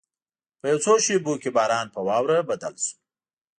په یو څو شېبو کې باران په واوره بدل شو.